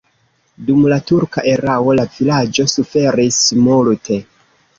Dum la turka erao la vilaĝo suferis multe.